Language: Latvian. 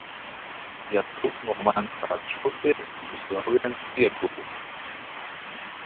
Ja tu no manis atšūsies, būs vēl viens ieguvums.